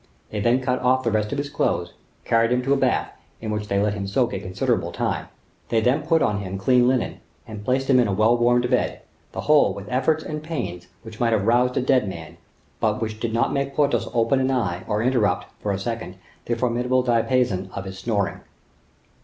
They then cut off the rest of his clothes, carried him to a bath, in which they let him soak a considerable time. They then put on him clean linen, and placed him in a well warmed bed—the whole with efforts and pains which might have roused a dead man, but which did not make Porthos open an eye, or interrupt for a second the formidable diapason of his snoring.